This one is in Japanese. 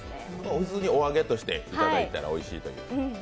普通にお揚げとしていただいたらおいしいと。